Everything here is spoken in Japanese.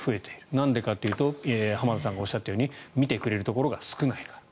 なんでかというと浜田さんが言ったように診てくれるところが少ないから。